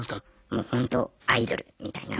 もうほんとアイドルみたいな。